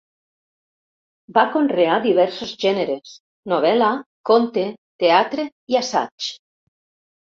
Va conrear diversos gèneres: novel·la, conte, teatre i assaig.